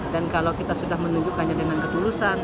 dan kalau kita sudah menunjukkannya dengan ketulusan